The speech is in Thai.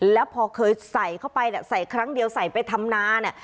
แล้วพอเคยใส่เข้าไปใส่ครั้งเดียวใส่ไปทำนาเนี่ย